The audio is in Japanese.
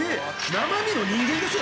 生身の人間ですよ